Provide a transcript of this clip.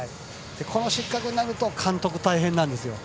この失格になると監督、大変なんですよ。